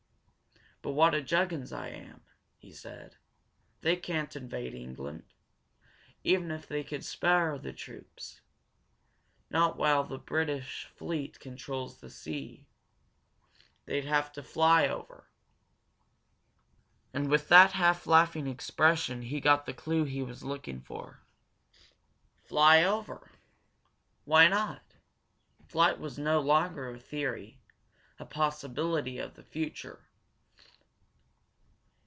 "But what a juggins I am!" he said. "They can't invade England, even if they could spare the troops. Not while the British fleet controls the sea. They'd have to fly over." And with that half laughing expression he got the clue he was looking for. Fly over! Why not? Flight was no longer a theory, a possibility of the future.